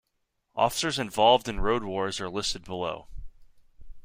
Officers involved in Road Wars are listed below.